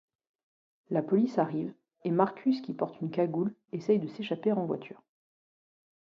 La police arrive et Marcus qui porte une cagoule essaie de s’échapper en voiture.